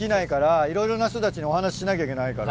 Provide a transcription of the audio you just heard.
いろいろな人たちにお話ししなきゃいけないから。